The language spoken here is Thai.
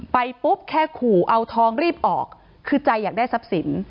ปุ๊บแค่ขู่เอาทองรีบออกคือใจอยากได้ทรัพย์สิน